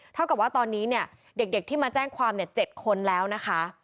เท่ากับว่าตอนนี้เนี่ยเด็กที่มาแจ้งความ๗คนแล้วนะคะ